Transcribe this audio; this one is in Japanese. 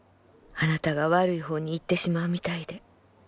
あなたが悪い方に行ってしまうみたいで」。